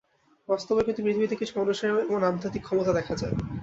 বাস্তবেও কিন্তু পৃথিবীতে কিছু মানুষের মধ্যে এমন আধ্যাত্মিক ক্ষমতা দেখা যায়।